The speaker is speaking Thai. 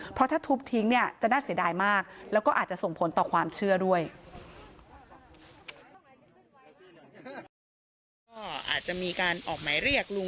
เพราะถ้าทุบทิ้งเนี่ยจะน่าเสียดายมากแล้วก็อาจจะส่งผลต่อความเชื่อด้วย